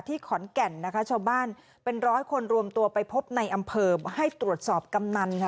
ขอนแก่นนะคะชาวบ้านเป็นร้อยคนรวมตัวไปพบในอำเภอให้ตรวจสอบกำนันค่ะ